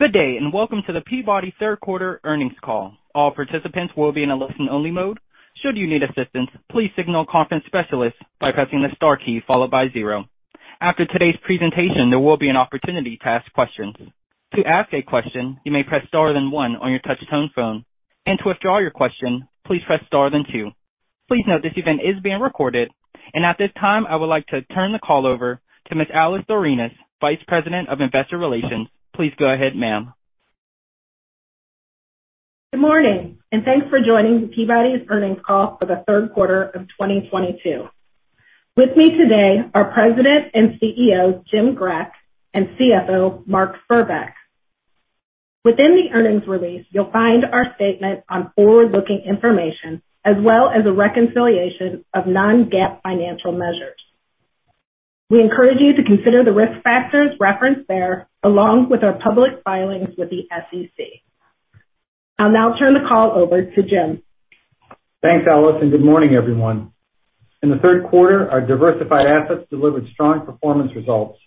Good day, and welcome to the Peabody third quarter earnings call. All participants will be in a listen-only mode. Should you need assistance, please signal conference specialist by pressing the star key followed by zero. After today's presentation, there will be an opportunity to ask questions. To ask a question, you may press star then one on your touch-tone phone. To withdraw your question, please press star then two. Please note this event is being recorded. At this time, I would like to turn the call over to Ms. Alice Tharenos, Vice President of Investor Relations. Please go ahead, ma'am. Good morning, and thanks for joining the Peabody's earnings call for the third quarter of 2022. With me today are President and CEO, Jim Grech, and CFO, Mark Spurbeck. Within the earnings release, you'll find our statement on forward-looking information, as well as a reconciliation of non-GAAP financial measures. We encourage you to consider the risk factors referenced there, along with our public filings with the SEC. I'll now turn the call over to Jim. Thanks, Alice, and good morning, everyone. In the third quarter, our diversified assets delivered strong performance results,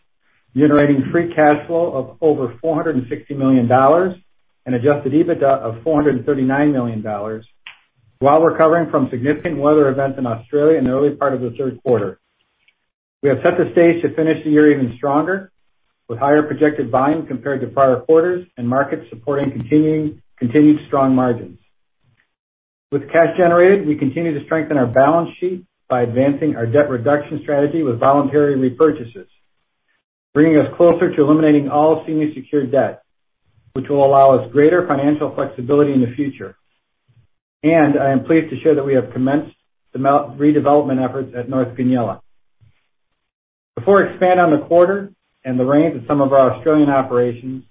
generating free cash flow of over $460 million and adjusted EBITDA of $439 million while recovering from significant weather events in Australia in the early part of the third quarter. We have set the stage to finish the year even stronger, with higher projected volume compared to prior quarters and markets supporting continued strong margins. With cash generated, we continue to strengthen our balance sheet by advancing our debt reduction strategy with voluntary repurchases, bringing us closer to eliminating all senior secured debt, which will allow us greater financial flexibility in the future. I am pleased to share that we have commenced the Mount redevelopment efforts at North Goonyella. Before I expand on the quarter and the range of some of our Australian operations,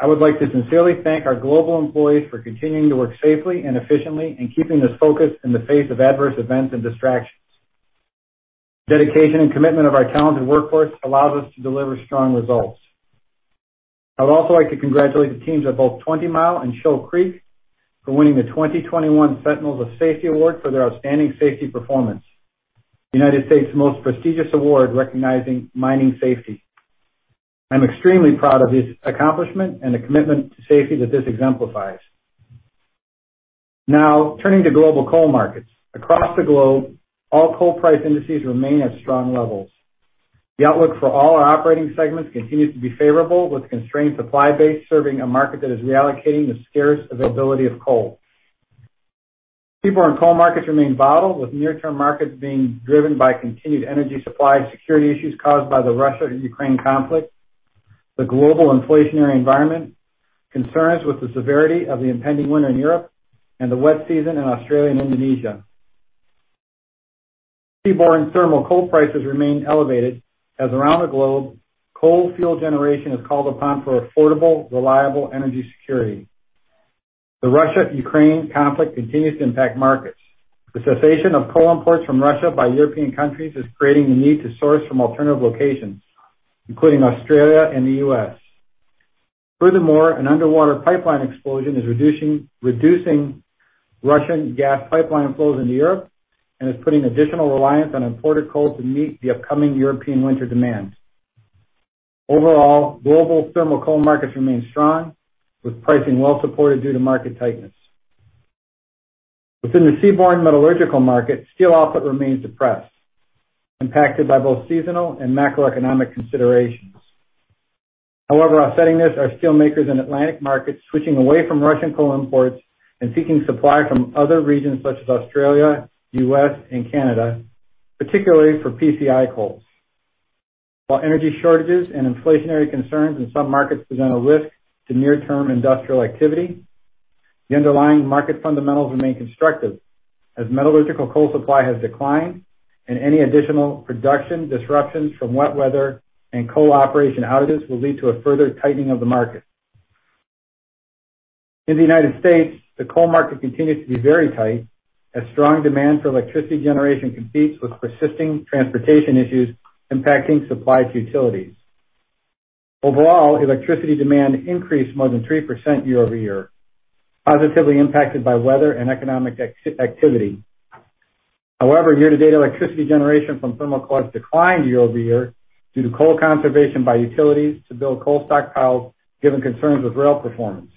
I would like to sincerely thank our global employees for continuing to work safely and efficiently and keeping us focused in the face of adverse events and distractions. Dedication and commitment of our talented workforce allows us to deliver strong results. I would also like to congratulate the teams at both Twenty Mile and Shoal Creek for winning the 2021 Sentinels of Safety Award for their outstanding safety performance, the United States' most prestigious award recognizing mining safety. I'm extremely proud of this accomplishment and the commitment to safety that this exemplifies. Now, turning to global coal markets. Across the globe, all coal price indices remain at strong levels. The outlook for all our operating segments continues to be favorable, with constrained supply base serving a market that is reallocating the scarce availability of coal. Seaborne coal markets remain volatile, with near-term markets being driven by continued energy supply and security issues caused by the Russia-Ukraine conflict, the global inflationary environment, concerns with the severity of the impending winter in Europe, and the wet season in Australia and Indonesia. Seaborne thermal coal prices remain elevated as around the globe, coal fuel generation is called upon for affordable, reliable energy security. The Russia-Ukraine conflict continues to impact markets. The cessation of coal imports from Russia by European countries is creating the need to source from alternative locations, including Australia and the U.S. Furthermore, an underwater pipeline explosion is reducing Russian gas pipeline flows into Europe and is putting additional reliance on imported coal to meet the upcoming European winter demand. Overall, global thermal coal markets remain strong, with pricing well supported due to market tightness. Within the seaborne metallurgical market, steel output remains depressed, impacted by both seasonal and macroeconomic considerations. However, offsetting this are steel makers in Atlantic markets switching away from Russian coal imports and seeking supply from other regions such as Australia, U.S., and Canada, particularly for PCI coals. While energy shortages and inflationary concerns in some markets present a risk to near-term industrial activity, the underlying market fundamentals remain constructive as metallurgical coal supply has declined and any additional production disruptions from wet weather and coal operation outages will lead to a further tightening of the market. In the United States, the coal market continues to be very tight as strong demand for electricity generation competes with persisting transportation issues impacting supply to utilities. Overall, electricity demand increased more than 3% year-over-year, positively impacted by weather and economic activity. However, year-to-date electricity generation from thermal sources declined year-over-year due to coal conservation by utilities to build coal stockpiles given concerns with rail performance.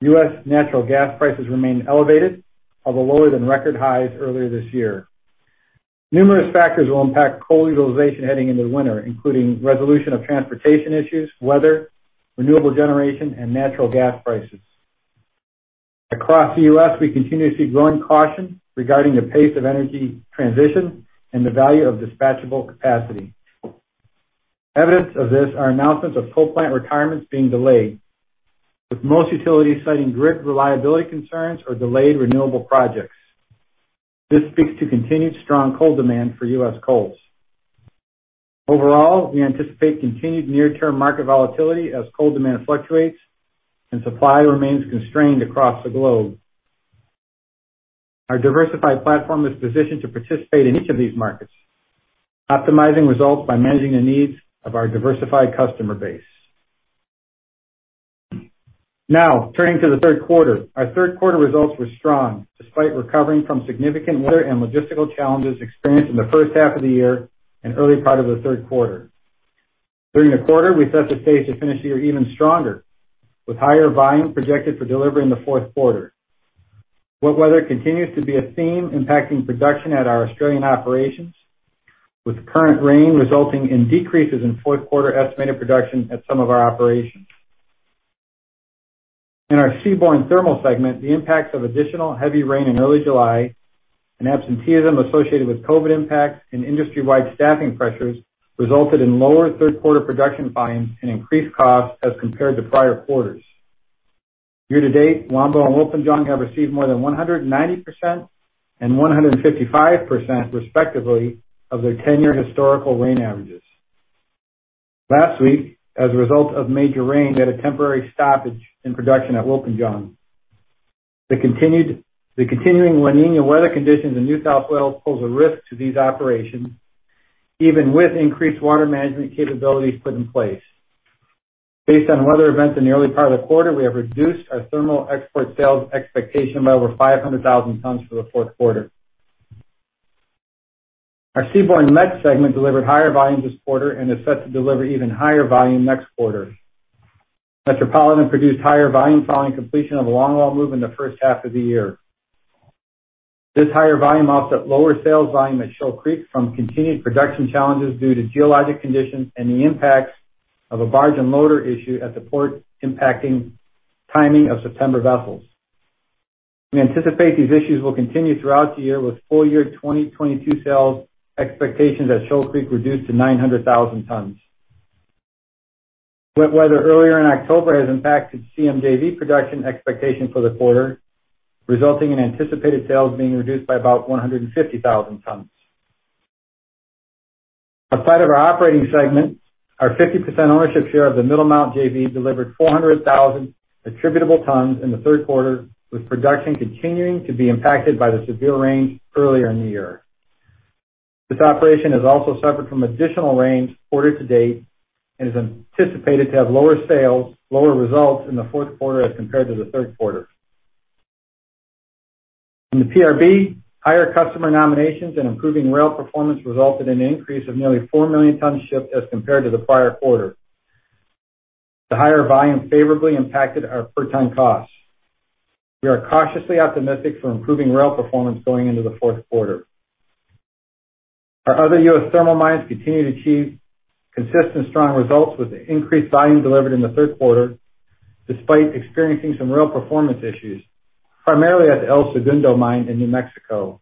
U.S. natural gas prices remain elevated, although lower than record highs earlier this year. Numerous factors will impact coal utilization heading into winter, including resolution of transportation issues, weather, renewable generation, and natural gas prices. Across the U.S., we continue to see growing caution regarding the pace of energy transition and the value of dispatchable capacity. Evidence of this are announcements of coal plant retirements being delayed, with most utilities citing grid reliability concerns or delayed renewable projects. This speaks to continued strong coal demand for U.S. coals. Overall, we anticipate continued near-term market volatility as coal demand fluctuates and supply remains constrained across the globe. Our diversified platform is positioned to participate in each of these markets, optimizing results by managing the needs of our diversified customer base. Now turning to the third quarter. Our third quarter results were strong despite recovering from significant weather and logistical challenges experienced in the first half of the year and early part of the third quarter. During the quarter, we set the stage to finish the year even stronger, with higher volume projected for delivery in the fourth quarter. Wet weather continues to be a theme impacting production at our Australian operations, with current rain resulting in decreases in fourth quarter estimated production at some of our operations. In our seaborne thermal segment, the impacts of additional heavy rain in early July and absenteeism associated with COVID impacts and industry-wide staffing pressures resulted in lower third-quarter production volumes and increased costs as compared to prior quarters. Year-to-date, Wambo and Wilpinjong have received more than 190% and 155%, respectively, of their 10-year historical rain averages. Last week, as a result of major rain, we had a temporary stoppage in production at Wilpinjong. The continuing La Niña weather conditions in New South Wales pose a risk to these operations, even with increased water management capabilities put in place. Based on weather events in the early part of the quarter, we have reduced our thermal export sales expectation by over 500,000 tons for the fourth quarter. Our seaborne met segment delivered higher volumes this quarter and is set to deliver even higher volume next quarter. Metropolitan produced higher volume following completion of a longwall move in the first half of the year. This higher volume offset lower sales volume at Shoal Creek from continued production challenges due to geologic conditions and the impacts of a barge and loader issue at the port impacting timing of September vessels. We anticipate these issues will continue throughout the year, with full-year 2022 sales expectations at Shoal Creek reduced to 900,000 tons. Wet weather earlier in October has impacted CM JV production expectations for the quarter, resulting in anticipated sales being reduced by about 150,000 tons. Outside of our operating segment, our 50% ownership share of the Middlemount JV delivered 400,000 attributable tons in the third quarter, with production continuing to be impacted by the severe rain earlier in the year. This operation has also suffered from additional rains quarter to date and is anticipated to have lower sales, lower results in the fourth quarter as compared to the third quarter. In the PRB, higher customer nominations and improving rail performance resulted in an increase of nearly 4 million tons shipped as compared to the prior quarter. The higher volume favorably impacted our per-ton costs. We are cautiously optimistic for improving rail performance going into the fourth quarter. Our other U.S. thermal mines continue to achieve consistent, strong results with increased volume delivered in the third quarter, despite experiencing some real performance issues, primarily at the El Segundo mine in New Mexico.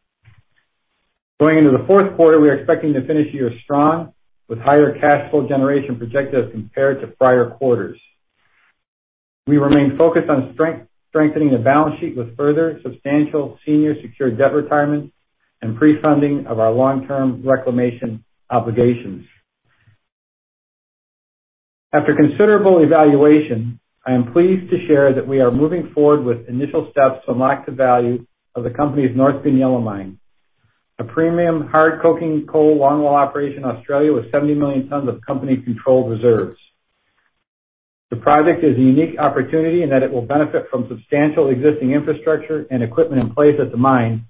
Going into the fourth quarter, we are expecting to finish the year strong with higher cash flow generation projected as compared to prior quarters. We remain focused on strengthening the balance sheet with further substantial senior secured debt retirement and pre-funding of our long-term reclamation obligations. After considerable evaluation, I am pleased to share that we are moving forward with initial steps to unlock the value of the company's North Goonyella mine, a premium hard coking coal longwall operation in Australia with 70 million tons of company-controlled reserves. The project is a unique opportunity in that it will benefit from substantial existing infrastructure and equipment in place at the mine,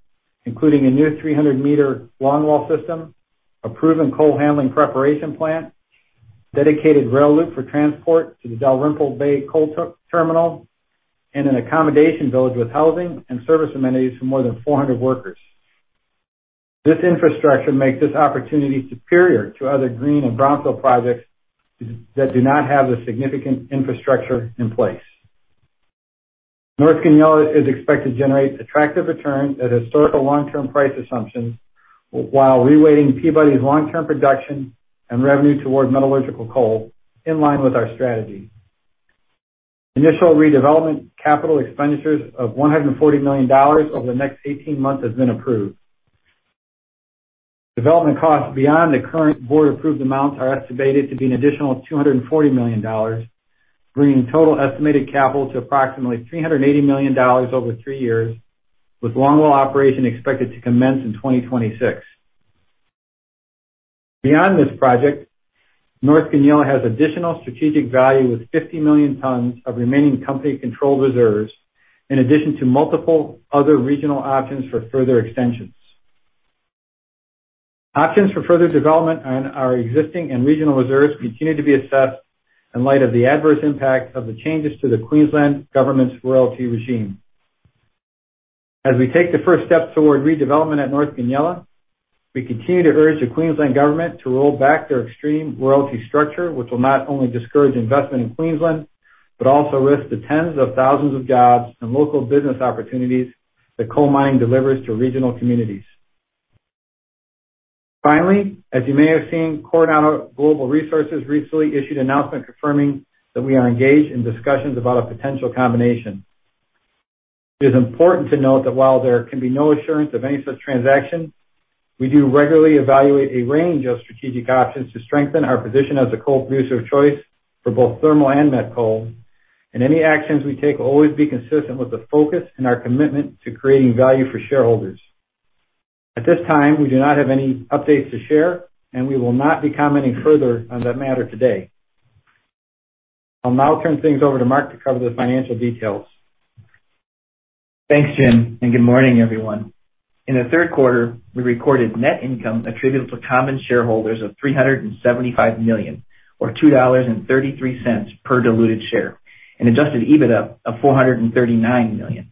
including a new 300-meter longwall system, a proven coal handling preparation plant, dedicated rail loop for transport to the Dalrymple Bay coal terminal, and an accommodation village with housing and service amenities for more than 400 workers. This infrastructure makes this opportunity superior to other greenfield and brownfield projects that do not have the significant infrastructure in place. North Goonyella is expected to generate attractive returns at historical long-term price assumptions, while reweighting Peabody's long-term production and revenue toward metallurgical coal in line with our strategy. Initial redevelopment capital expenditures of $140 million over the next 18 months has been approved. Development costs beyond the current board-approved amounts are estimated to be an additional $240 million, bringing total estimated capital to approximately $380 million over three years, with longwall operation expected to commence in 2026. Beyond this project, North Goonyella has additional strategic value, with 50 million tons of remaining company-controlled reserves in addition to multiple other regional options for further extensions. Options for further development on our existing and regional reserves continue to be assessed in light of the adverse impact of the changes to the Queensland Government's royalty regime. As we take the first step toward redevelopment at North Goonyella, we continue to urge the Queensland Government to roll back their extreme royalty structure, which will not only discourage investment in Queensland, but also risk the tens of thousands of jobs and local business opportunities that coal mining delivers to regional communities. Finally, as you may have seen, Coronado Global Resources recently issued an announcement confirming that we are engaged in discussions about a potential combination. It is important to note that while there can be no assurance of any such transaction, we do regularly evaluate a range of strategic options to strengthen our position as a coal producer of choice for both thermal and met coal, and any actions we take will always be consistent with the focus and our commitment to creating value for shareholders. At this time, we do not have any updates to share, and we will not be commenting further on that matter today. I'll now turn things over to Mark to cover the financial details. Thanks, Jim, and good morning, everyone. In the third quarter, we recorded net income attributed to common shareholders of $375 million, or $2.33 per diluted share, and adjusted EBITDA of $439 million.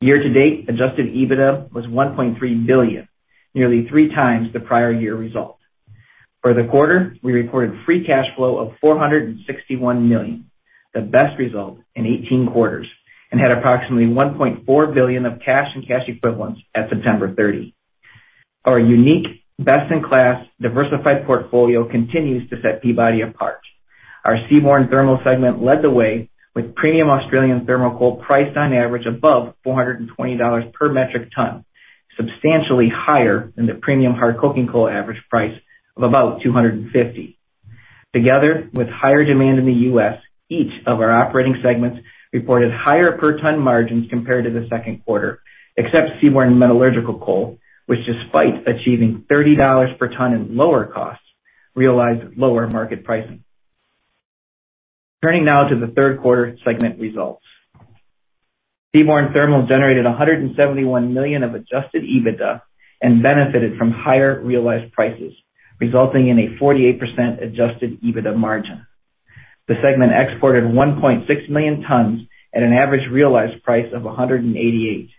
Year-to-date adjusted EBITDA was $1.3 billion, nearly three times the prior year result. For the quarter, we recorded free cash flow of $461 million, the best result in 18 quarters, and had approximately $1.4 billion of cash and cash equivalents at September 30. Our unique best-in-class diversified portfolio continues to set Peabody apart. Our seaborne thermal segment led the way with premium Australian thermal coal priced on average above $420 per metric ton, substantially higher than the premium hard coking coal average price of about $250. Together with higher demand in the U.S., each of our operating segments reported higher per ton margins compared to the second quarter, except seaborne metallurgical coal, which despite achieving $30 per ton in lower costs, realized lower market pricing. Turning now to the third quarter segment results. Seaborne thermal generated $171 million of adjusted EBITDA and benefited from higher realized prices, resulting in a 48% adjusted EBITDA margin. The segment exported 1.6 million tons at an average realized price of $188,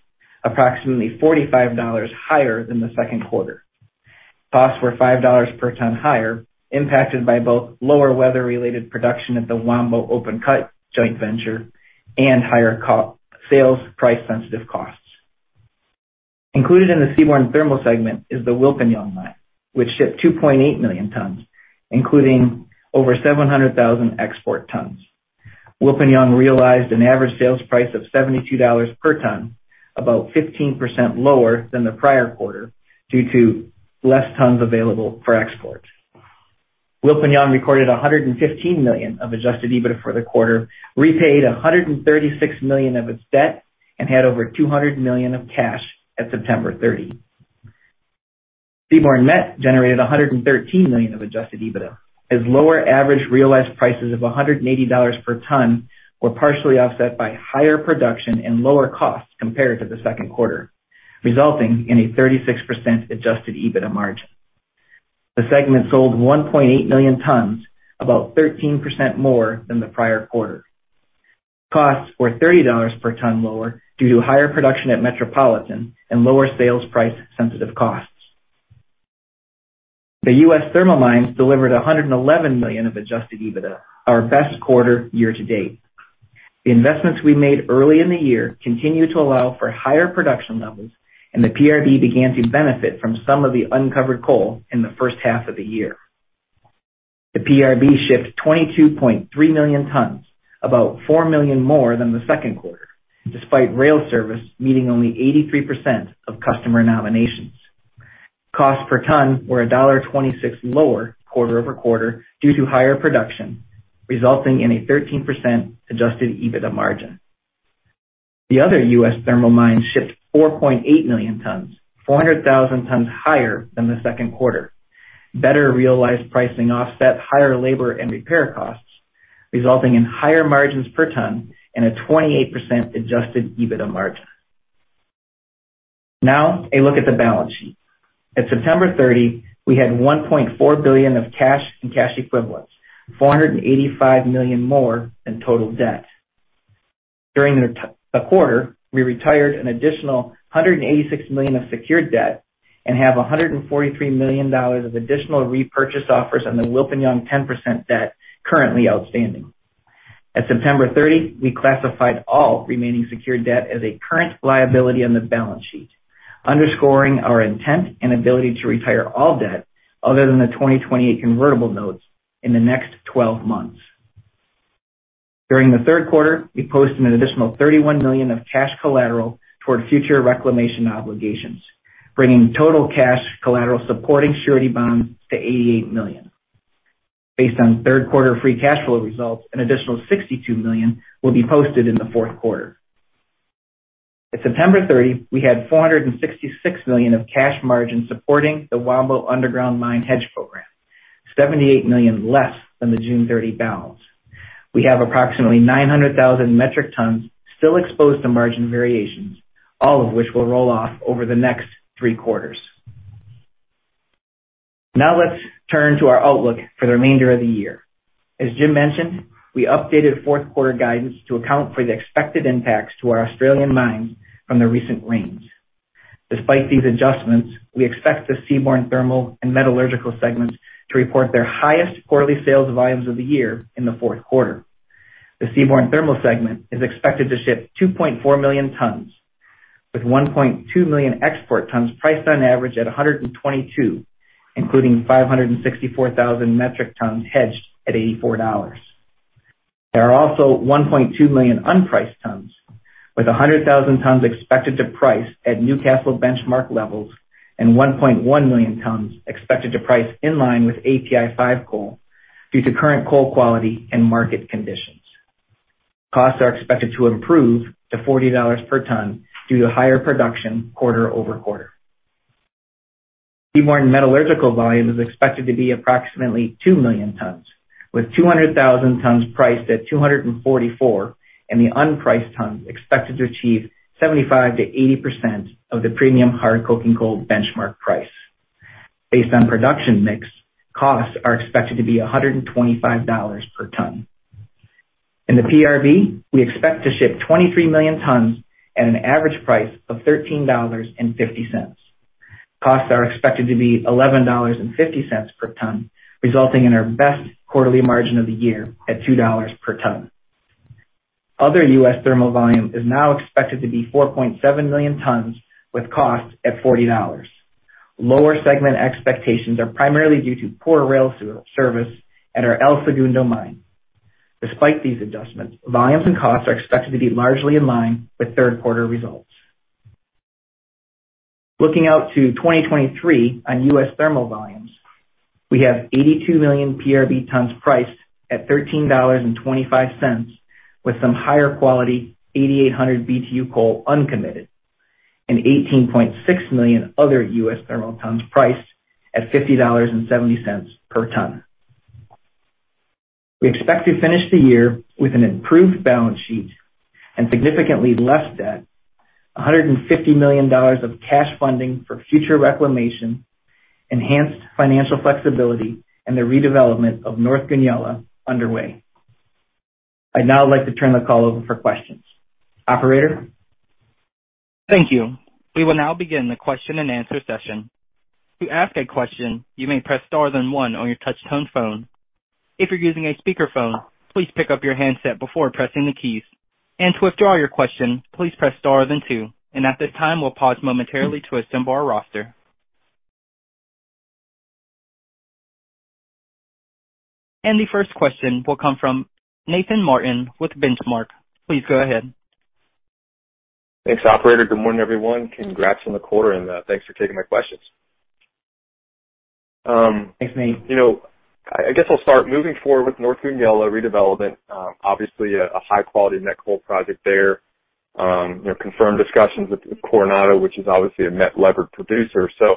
approximately $45 higher than the second quarter. Costs were $5 per ton higher, impacted by both lower weather-related production at the Wambo Open-cut joint venture and higher cost-of-sales price-sensitive costs. Included in the seaborne thermal segment is the Wilpinjong mine, which shipped 2.8 million tons, including over 700,000 export tons. Wilpinjong realized an average sales price of $72 per ton, about 15% lower than the prior quarter due to less tons available for export. Wilpinjong recorded $115 million of adjusted EBITDA for the quarter, repaid $136 million of its debt, and had over $200 million of cash at September 30. Seaborne Met generated $113 million of adjusted EBITDA, as lower average realized prices of $180 per ton were partially offset by higher production and lower costs compared to the second quarter, resulting in a 36% adjusted EBITDA margin. The segment sold 1.8 million tons, about 13% more than the prior quarter. Costs were $30 per ton lower due to higher production at Metropolitan and lower sales price-sensitive costs. The U.S. thermal mines delivered $111 million of adjusted EBITDA, our best quarter year-to-date. The investments we made early in the year continue to allow for higher production levels, and the PRB began to benefit from some of the uncovered coal in the first half of the year. The PRB shipped 22.3 million tons, about 4 million more than the second quarter, despite rail service meeting only 83% of customer nominations. Costs per ton were $1.26 lower quarter-over-quarter due to higher production, resulting in a 13% adjusted EBITDA margin. The other U.S. thermal mine shipped 4.8 million tons, 400,000 tons higher than the second quarter. Better realized pricing offset higher labor and repair costs, resulting in higher margins per ton and a 28% adjusted EBITDA margin. Now a look at the balance sheet. At September 30, we had $1.4 billion of cash and cash equivalents, $485 million more than total debt. During the quarter, we retired an additional $186 million of secured debt and have $143 million of additional repurchase offers on the Wilpinjong 10% debt currently outstanding. At September 30, we classified all remaining secured debt as a current liability on the balance sheet, underscoring our intent and ability to retire all debt other than the 2028 convertible notes in the next twelve months. During the third quarter, we posted an additional $31 million of cash collateral toward future reclamation obligations, bringing total cash collateral supporting surety bonds to $88 million. Based on third quarter free cash flow results, an additional $62 million will be posted in the fourth quarter. At September 30, we had $466 million of cash margin supporting the Wambo underground mine hedge program, $78 million less than the June 30 balance. We have approximately 900,000 metric tons still exposed to margin variations, all of which will roll off over the next three quarters. Now let's turn to our outlook for the remainder of the year. As Jim mentioned, we updated fourth quarter guidance to account for the expected impacts to our Australian mines from the recent rains. Despite these adjustments, we expect the seaborne thermal and metallurgical segments to report their highest quarterly sales volumes of the year in the fourth quarter. The seaborne thermal segment is expected to ship 2.4 million tons, with 1.2 million export tons priced on average at $122, including 564,000 metric tons hedged at $84. There are also 1.2 million unpriced tons, with 100,000 tons expected to price at Newcastle benchmark levels and 1.1 million tons expected to price in line with API 5 coal due to current coal quality and market conditions. Costs are expected to improve to $40 per ton due to higher production quarter-over-quarter. Seaborne metallurgical volume is expected to be approximately 2 million tons, with 200,000 tons priced at $244, and the unpriced tons expected to achieve 75%-80% of the premium hard coking coal benchmark price. Based on production mix, costs are expected to be $125 per ton. In the PRB, we expect to ship 23 million tons at an average price of $13.50. Costs are expected to be $11.50 per ton, resulting in our best quarterly margin of the year at $2 per ton. Other U.S. thermal volume is now expected to be 4.7 million tons, with costs at $40. Lower segment expectations are primarily due to poor rail service at our El Segundo mine. Despite these adjustments, volumes and costs are expected to be largely in line with third quarter results. Looking out to 2023 on US thermal volumes, we have 82 million PRB tons priced at $13.25, with some higher quality 8,800 BTU coal uncommitted, and 18.6 million other US thermal tons priced at $50.70 per ton. We expect to finish the year with an improved balance sheet and significantly less debt, $150 million of cash funding for future reclamation, enhanced financial flexibility, and the redevelopment of North Goonyella underway. I'd now like to turn the call over for questions. Operator? Thank you. We will now begin the question-and-answer session. To ask a question, you may press star then one on your touch-tone phone. If you're using a speakerphone, please pick up your handset before pressing the keys. To withdraw your question, please press star then two. At this time, we'll pause momentarily to assemble our roster. The first question will come from Nathan Martin with The Benchmark Company. Please go ahead. Thanks, operator. Good morning, everyone. Congrats on the quarter and thanks for taking my questions. Thanks, Nathan. You know, I guess I'll start. Moving forward with North Goonyella redevelopment, obviously a high quality met coal project there. You know, confirmed discussions with Coronado, which is obviously a met-levered producer. You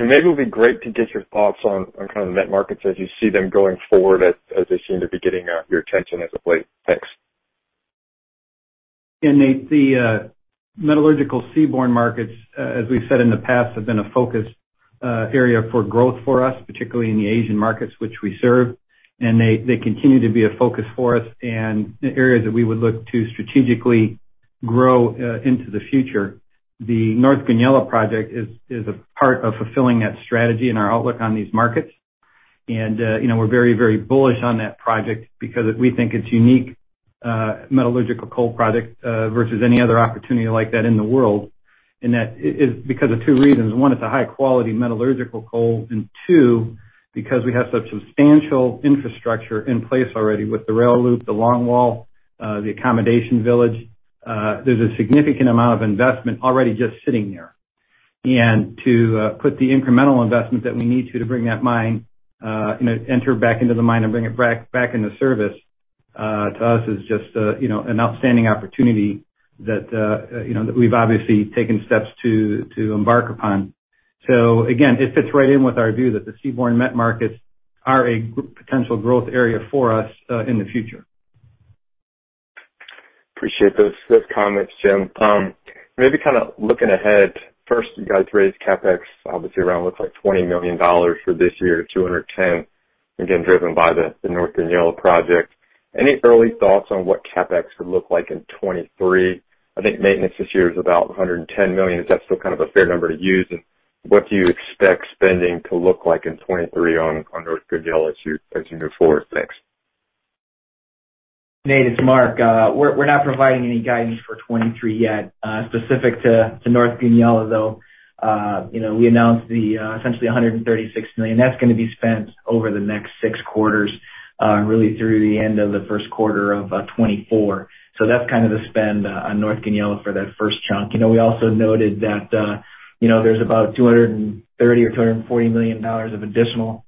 know, maybe it would be great to get your thoughts on kind of the met markets as you see them going forward as they seem to be getting your attention as of late. Thanks. Yeah, Nathan, the metallurgical seaborne markets, as we've said in the past, have been a focus area for growth for us, particularly in the Asian markets which we serve. They continue to be a focus for us and the areas that we would look to strategically grow into the future. The North Goonyella project is a part of fulfilling that strategy and our outlook on these markets. You know, we're very, very bullish on that project because we think it's unique metallurgical coal project versus any other opportunity like that in the world. That is because of two reasons. One, it's a high quality metallurgical coal. Two, because we have such substantial infrastructure in place already with the rail loop, the longwall, the accommodation village, there's a significant amount of investment already just sitting there. To put the incremental investments that we need to bring that mine, you know, enter back into the mine and bring it back into service, to us is just a, you know, an outstanding opportunity that, you know, that we've obviously taken steps to embark upon. Again, it fits right in with our view that the seaborne met markets are a potential growth area for us in the future. Appreciate those comments, Jim. Maybe kind of looking ahead. First, you guys raised CapEx obviously around what's like $20 million for this year, $210 million, again, driven by the North Goonyella project. Any early thoughts on what CapEx would look like in 2023? I think maintenance this year is about $110 million. Is that still kind of a fair number to use? What do you expect spending to look like in 2023 on North Goonyella as you move forward? Thanks. Nathan, it's Mark. We're not providing any guidance for 2023 yet. Specific to North Goonyella, though, you know, we announced essentially $136 million. That's gonna be spent over the next six quarters, really through the end of the first quarter of 2024. That's kind of the spend on North Goonyella for that first chunk. You know, we also noted that, you know, there's about $230 million or $240 million of additional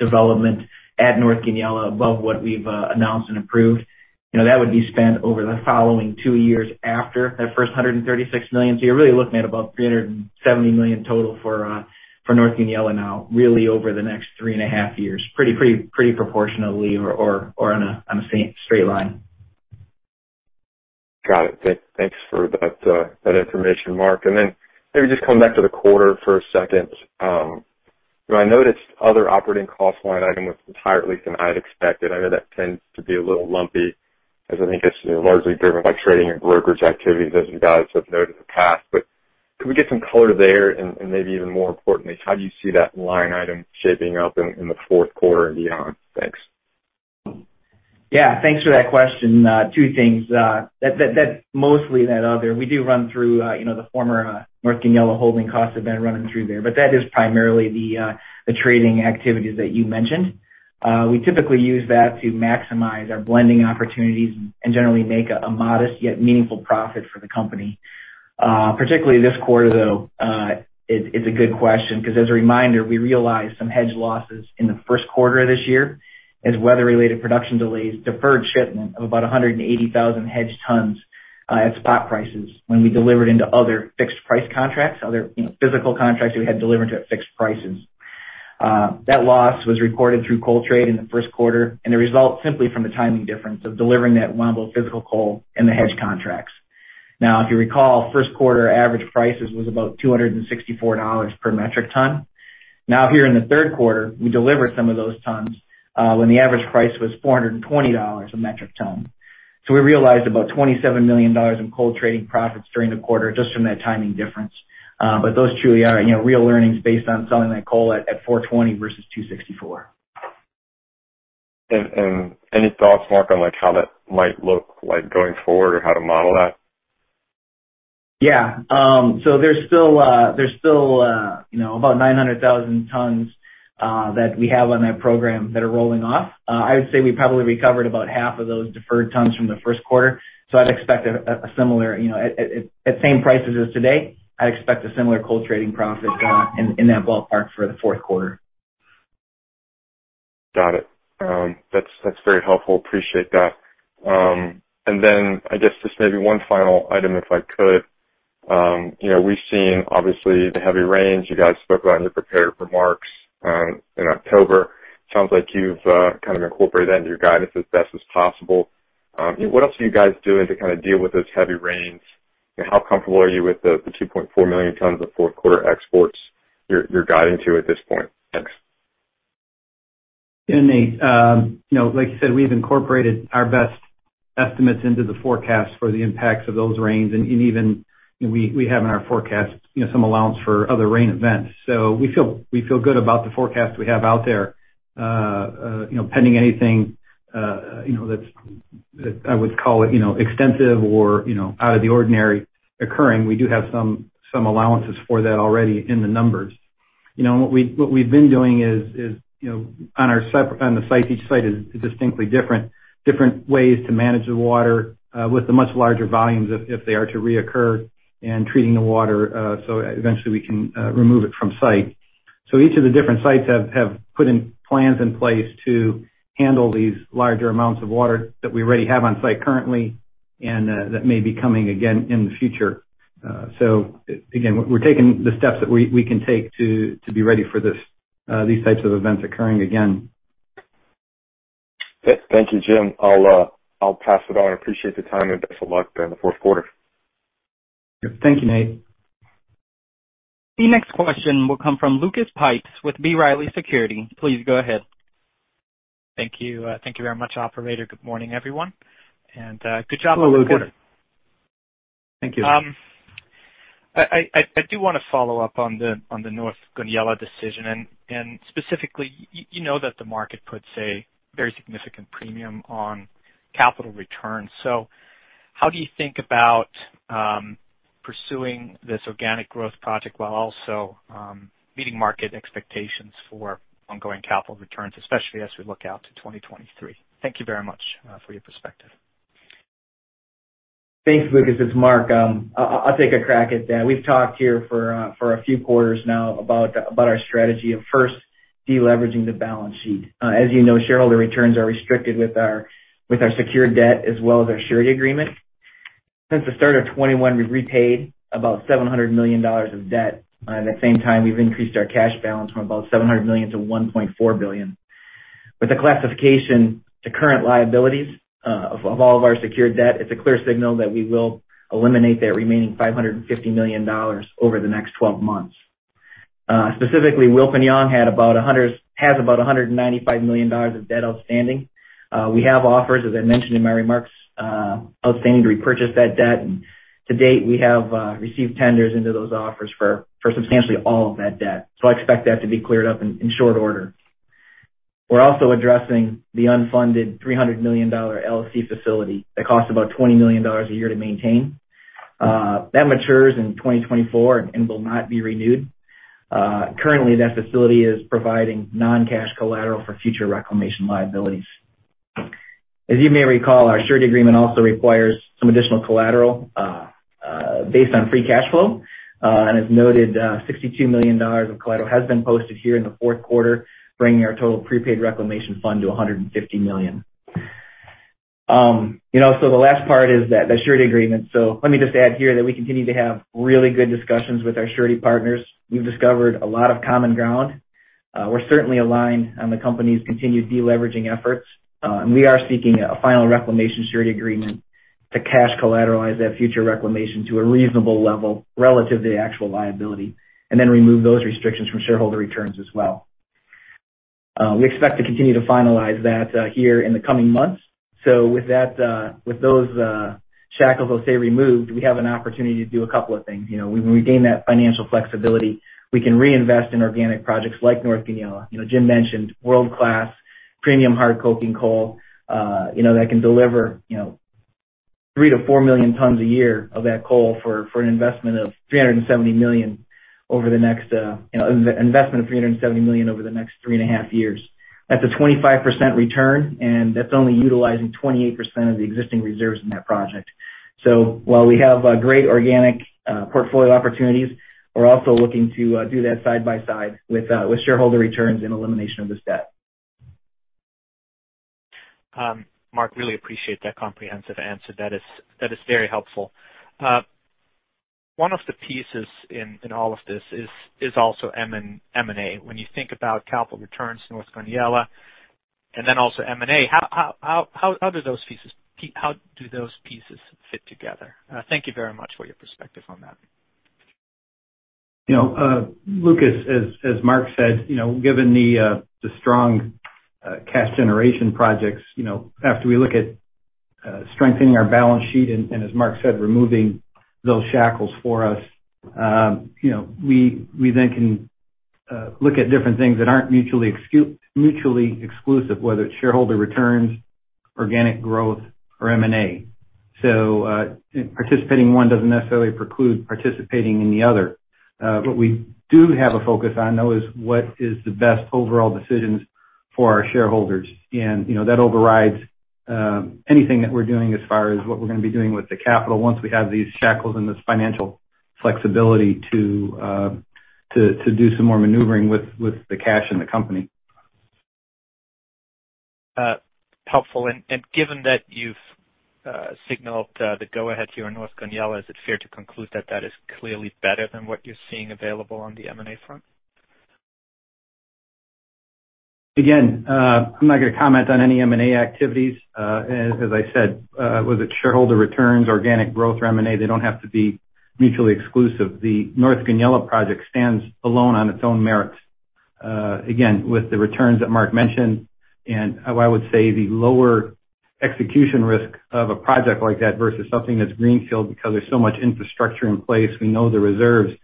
development at North Goonyella above what we've announced and approved. You know, that would be spent over the following two years after that first $136 million. You're really looking at about $370 million total for North Goonyella now, really over the next three and a half years. Pretty proportionately or on a straight line. Got it. Thanks for that information, Mark. Then maybe just come back to the quarter for a second. You know, I noticed other operating cost line item was higher than I'd expected. I know that tends to be a little lumpy as I think it's you know, largely driven by trading and brokerage activities as you guys have noted in the past. Could we get some color there and maybe even more importantly, how do you see that line item shaping up in the fourth quarter and beyond? Thanks. Yeah. Thanks for that question. Two things. That's mostly that other. We do run through, you know, the former North Goonyella holding costs have been running through there. That is primarily the trading activities that you mentioned. We typically use that to maximize our blending opportunities and generally make a modest yet meaningful profit for the company. Particularly this quarter, though, it's a good question, 'cause as a reminder, we realized some hedge losses in the first quarter of this year as weather-related production delays deferred shipment of about 180,000 hedged tons at spot prices when we delivered into other fixed price contracts, other, you know, physical contracts we had delivered to at fixed prices. That loss was recorded through coal trade in the first quarter, and it results simply from the timing difference of delivering that 1 million physical coal in the hedged contracts. Now, if you recall, first quarter average prices was about $264 per metric ton. Now, here in the third quarter, we delivered some of those tons when the average price was $420 a metric ton. We realized about $27 million in coal trading profits during the quarter just from that timing difference. Those truly are, you know, real earnings based on selling that coal at 420 versus 264. Any thoughts, Mark, on like how that might look like going forward or how to model that? Yeah. So there's still, you know, about 900,000 tons that we have on that program that are rolling off. I would say we probably recovered about half of those deferred tons from the first quarter. I'd expect a similar, you know, at same prices as today, I expect a similar coal trading profit in that ballpark for the fourth quarter. Got it. That's very helpful. Appreciate that. And then I guess just maybe one final item, if I could. You know, we've seen obviously the heavy rains you guys spoke about in your prepared remarks in October. Sounds like you've kind of incorporated that into your guidance as best as possible. What else are you guys doing to kind of deal with those heavy rains? And how comfortable are you with the 2.4 million tons of fourth quarter exports you're guiding to at this point? Thanks. Yeah, Nathan. You know, like you said, we've incorporated our best estimates into the forecast for the impacts of those rains. Even, you know, we have in our forecast, you know, some allowance for other rain events. We feel good about the forecast we have out there. You know, pending anything, you know, that's that I would call it, you know, extensive or, you know, out of the ordinary occurring, we do have some allowances for that already in the numbers. You know, what we've been doing is, you know, on the site, each site is distinctly different. Different ways to manage the water with the much larger volumes if they are to reoccur, and treating the water, so eventually we can remove it from site. Each of the different sites have put in plans in place to handle these larger amounts of water that we already have on site currently and that may be coming again in the future. We're taking the steps that we can take to be ready for these types of events occurring again. Thank you, Jim. I'll pass it on. I appreciate the time, and best of luck in the fourth quarter. Thank you, Nathan. The next question will come from Lucas Pipes with B. Riley Securities. Please go ahead. Thank you. Thank you very much, operator. Good morning, everyone, and good job on the quarter. Hello, Lucas. Thank you. I do wanna follow up on the North Goonyella decision, and specifically, you know that the market puts a very significant premium on capital returns. How do you think about pursuing this organic growth project while also meeting market expectations for ongoing capital returns, especially as we look out to 2023? Thank you very much for your perspective. Thanks, Lucas. It's Mark. I'll take a crack at that. We've talked here for a few quarters now about our strategy of first deleveraging the balance sheet. As you know, shareholder returns are restricted with our secured debt as well as our surety agreement. Since the start of 2021, we've repaid about $700 million of debt. At the same time, we've increased our cash balance from about $700 million-$1.4 billion. With the classification to current liabilities of all of our secured debt, it's a clear signal that we will eliminate that remaining $550 million over the next 12 months. Specifically, Wilpinjong has about $195 million of debt outstanding. We have offers, as I mentioned in my remarks, outstanding to repurchase that debt, and to date, we have received tenders into those offers for substantially all of that debt. I expect that to be cleared up in short order. We're also addressing the unfunded $300 million LC facility that costs about $20 million a year to maintain. That matures in 2024 and will not be renewed. Currently, that facility is providing non-cash collateral for future reclamation liabilities. As you may recall, our surety agreement also requires some additional collateral based on free cash flow. As noted, $62 million of collateral has been posted here in the fourth quarter, bringing our total prepaid reclamation fund to $150 million. You know, the last part is that, the surety agreement. Let me just add here that we continue to have really good discussions with our surety partners. We've discovered a lot of common ground. We're certainly aligned on the company's continued deleveraging efforts. And we are seeking a final reclamation surety agreement to cash collateralize that future reclamation to a reasonable level relative to the actual liability, and then remove those restrictions from shareholder returns as well. We expect to continue to finalize that here in the coming months. With that, with those shackles, I'll say, removed, we have an opportunity to do a couple of things. You know, when we regain that financial flexibility, we can reinvest in organic projects like North Goonyella. You know, Jim mentioned world-class premium hard coking coal, you know, that can deliver, you know, 3 million-4 million tons a year of that coal for an investment of $370 million over the next 3.5 years. That's a 25% return, and that's only utilizing 28% of the existing reserves in that project. While we have great organic portfolio opportunities, we're also looking to do that side by side with shareholder returns and elimination of this debt. Mark, really appreciate that comprehensive answer. That is very helpful. One of the pieces in all of this is also M&A. When you think about capital returns, North Goonyella, and then also M&A, how do those pieces fit together? Thank you very much for your perspective on that. You know, Lucas, as Mark said, you know, given the strong cash generation projects, you know, after we look at strengthening our balance sheet, and as Mark said, removing those shackles for us, you know we then can look at different things that aren't mutually exclusive, whether it's shareholder returns, organic growth or M&A. Participating in one doesn't necessarily preclude participating in the other. What we do have a focus on, though, is what is the best overall decisions for our shareholders. That overrides anything that we're doing as far as what we're gonna be doing with the capital once we have these shackles and this financial flexibility to do some more maneuvering with the cash in the company. Helpful. Given that you've signaled the go ahead here on North Goonyella, is it fair to conclude that is clearly better than what you're seeing available on the M&A front? Again, I'm not gonna comment on any M&A activities. As I said, whether it's shareholder returns, organic growth or M&A, they don't have to be mutually exclusive. The North Goonyella project stands alone on its own merits, again, with the returns that Mark mentioned, and I would say the lower execution risk of a project like that versus something that's greenfield because there's so much infrastructure in place. We know the reserves.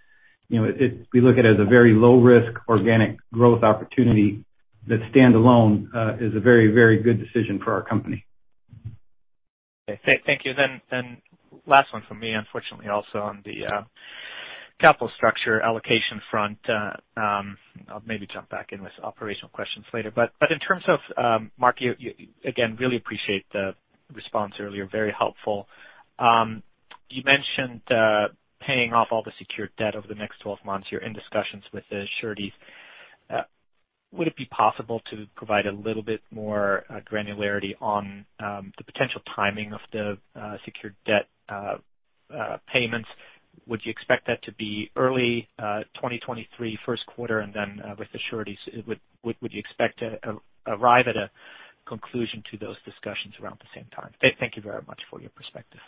You know, we look at it as a very low risk organic growth opportunity that standalone is a very, very good decision for our company. Okay. Thank you. Last one from me, unfortunately also on the capital structure allocation front. I'll maybe jump back in with operational questions later. In terms of Mark, you again really appreciate the response earlier. Very helpful. You mentioned paying off all the secured debt over the next 12 months. You're in discussions with the sureties. Would it be possible to provide a little bit more granularity on the potential timing of the secured debt payments? Would you expect that to be early 2023, first quarter? With the sureties, would you expect to arrive at a conclusion to those discussions around the same time? Thank you very much for your perspective.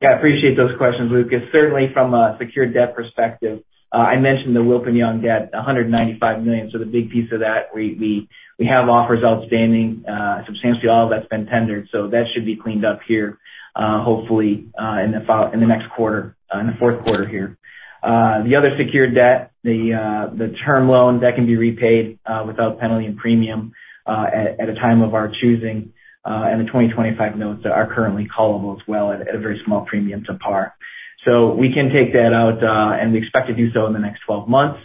Yeah, I appreciate those questions, Lucas. Certainly from a secured debt perspective, I mentioned the Wilpinjong debt, $195 million. The big piece of that we have offers outstanding. Substantially all of that's been tendered, so that should be cleaned up here, hopefully, in the fourth quarter here. The other secured debt, the term loan, that can be repaid without penalty and premium, at a time of our choosing. The 2025 notes are currently callable as well at a very small premium to par. We can take that out, and we expect to do so in the next 12 months.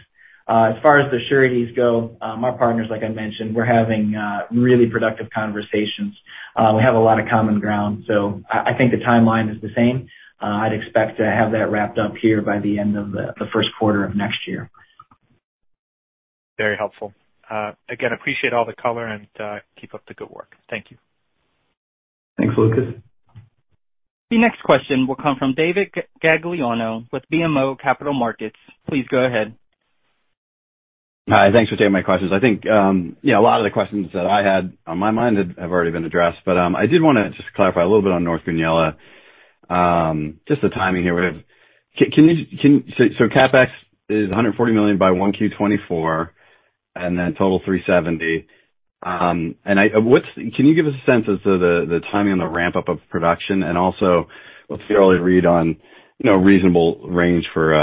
As far as the sureties go, our partners, like I mentioned, we're having really productive conversations. We have a lot of common ground, so I think the timeline is the same. I'd expect to have that wrapped up here by the end of the first quarter of next year. Very helpful. Again, appreciate all the color and keep up the good work. Thank you. Thanks, Lucas. The next question will come from David Gagliano with BMO Capital Markets. Please go ahead. Hi. Thanks for taking my questions. I think, you know, a lot of the questions that I had on my mind have already been addressed. I did wanna just clarify a little bit on North Goonyella. Just the timing here. Can you give us a sense as to the timing on the ramp up of production? So CapEx is $140 million by 1Q 2024, and then total $370 million. And what's the early read on, you know, reasonable range for,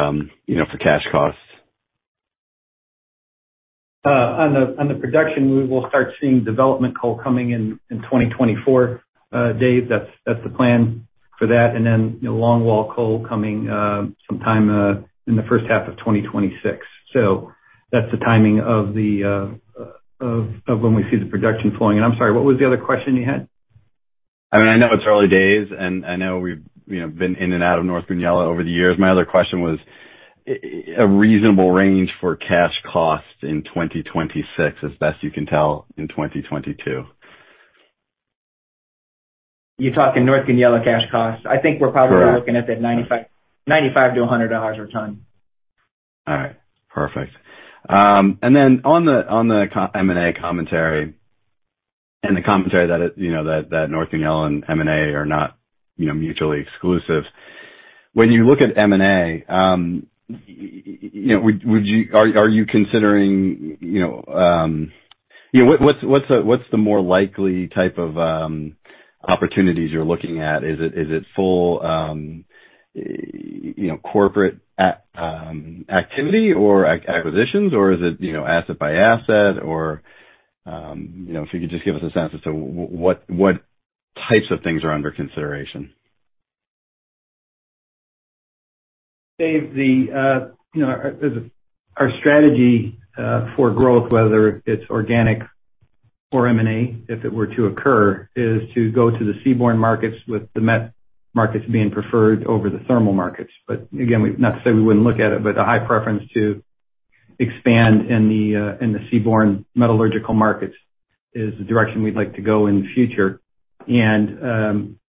you know, for cash costs? On the production, we will start seeing development coal coming in in 2024, Dave. That's the plan for that. You know, longwall coal coming sometime in the first half of 2026. That's the timing of when we see the production flowing. I'm sorry, what was the other question you had? I mean, I know it's early days, and I know we've, you know, been in and out of North Goonyella over the years. My other question was, is a reasonable range for cash costs in 2026, as best you can tell in 2022. You're talking North Goonyella cash costs. Correct. I think we're probably looking at that $95-$100 a ton. All right. Perfect. On the M&A commentary, and the commentary that it, you know, that North Goonyella and M&A are not, you know, mutually exclusive. When you look at M&A, you know, would you, are you considering, you know, you know, what's the more likely type of opportunities you're looking at? Is it full, you know, corporate activity or acquisitions or is it asset by asset or, you know, if you could just give us a sense as to what types of things are under consideration? David, you know, our strategy for growth, whether it's organic or M&A, if it were to occur, is to go to the seaborne markets with the met markets being preferred over the thermal markets. We've not to say we wouldn't look at it, but a high preference to expand in the seaborne metallurgical markets is the direction we'd like to go in the future. You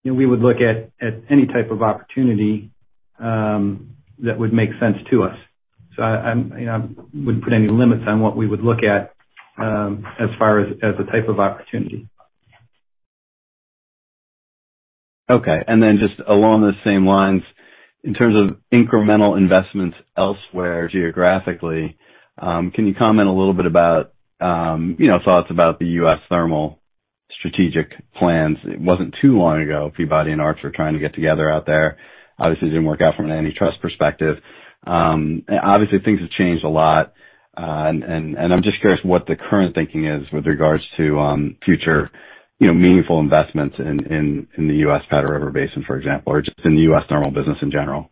know, we would look at any type of opportunity that would make sense to us. I you know, I wouldn't put any limits on what we would look at as far as the type of opportunity. Okay. Then just along the same lines, in terms of incremental investments elsewhere geographically, can you comment a little bit about, you know, thoughts about the U.S. thermal strategic plans? It wasn't too long ago Peabody and Arch trying to get together out there. Obviously didn't work out from an antitrust perspective. Obviously, things have changed a lot. I'm just curious what the current thinking is with regards to, future, you know, meaningful investments in the U.S. Powder River Basin, for example, or just in the U.S. thermal business in general.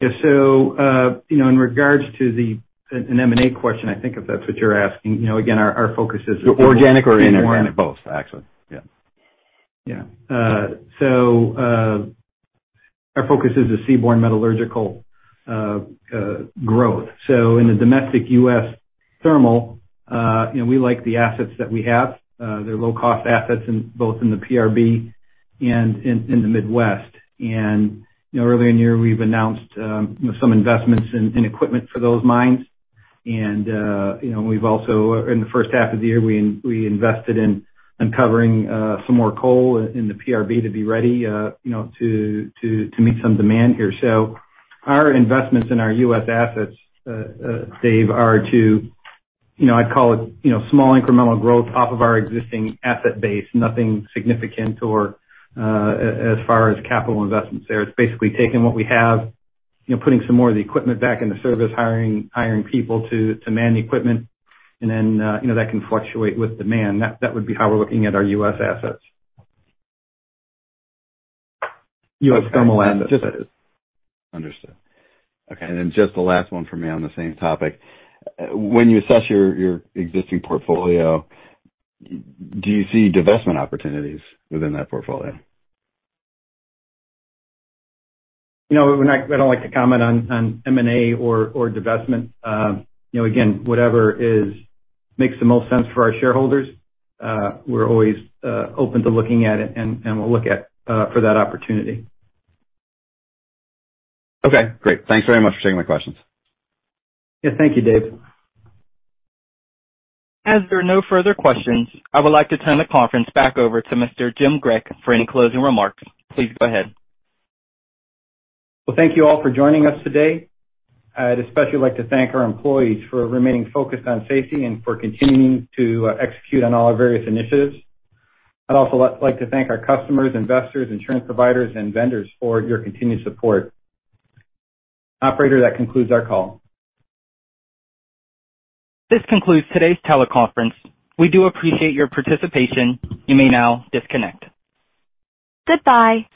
Yeah. You know, in regards to an M&A question, I think if that's what you're asking, you know, again, our focus is- Organic or inorganic. Both, actually. Yeah. Yeah, our focus is a seaborne metallurgical growth. In the domestic U.S. thermal, you know, we like the assets that we have. They're low-cost assets in both the PRB and in the Midwest. You know, earlier in the year, we've announced, you know, some investments in equipment for those mines. In the first half of the year, we invested in uncovering some more coal in the PRB to be ready, you know, to meet some demand here. Our investments in our U.S. assets, David, are to, you know, I'd call it, you know, small incremental growth off of our existing asset base, nothing significant or as far as capital investments there. It's basically taking what we have, you know, putting some more of the equipment back into service, hiring people to man the equipment, and then, you know, that can fluctuate with demand. That would be how we're looking at our U.S. assets. Okay. U.S. thermal assets. Understood. Okay. Just the last one for me on the same topic. When you assess your existing portfolio, do you see divestment opportunities within that portfolio? You know, I don't like to comment on M&A or divestment. You know, again, whatever is makes the most sense for our shareholders, we're always open to looking at it and we'll look at for that opportunity. Okay, great. Thanks very much for taking my questions. Yeah. Thank you, David. As there are no further questions, I would like to turn the conference back over to Mr. Jim Grech for any closing remarks. Please go ahead. Well, thank you all for joining us today. I'd especially like to thank our employees for remaining focused on safety and for continuing to execute on all our various initiatives. I'd also like to thank our customers, investors, insurance providers, and vendors for your continued support. Operator, that concludes our call. This concludes today's teleconference. We do appreciate your participation. You may now disconnect. Goodbye.